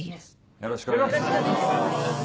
よろしくお願いします。